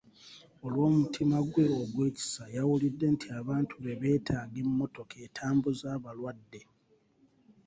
Olw'omutima gwe ogw'ekisa, yawulidde nti abantu be beetaaga emmotoka etambuza abalwadde.